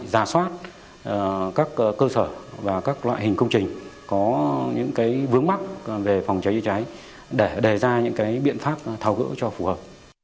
giả soát các cơ sở và các loại hình công trình có những vướng mắc về phòng cháy chữa cháy để đề ra những biện pháp thầu gỡ cho phù hợp